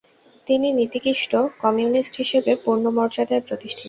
তিনি নীতিনিষ্ঠ কমিউনিস্ট হিসেবে পূর্ণ মর্যাদায় প্রতিষ্ঠিত।